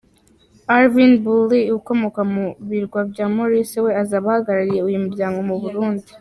Arvin Boolel ukomoka mu birwa bya Maurice, we azaba ahagarariye uyu muryango mu Burundi.